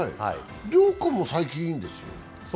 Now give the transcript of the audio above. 遼君も最近いいんでしょ。